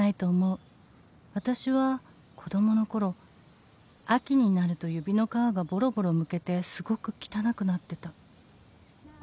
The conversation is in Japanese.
「私は子供のころ秋になると指の皮がボロボロむけてすごく汚くなってた」